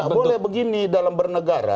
kita nggak boleh begini dalam bernegara